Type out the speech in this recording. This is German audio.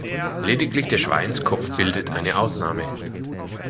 Lediglich der "Schweinskopf" bildet eine Ausnahme.